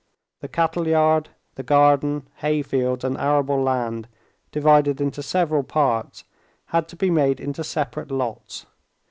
The cattle yard, the garden, hay fields, and arable land, divided into several parts, had to be made into separate lots.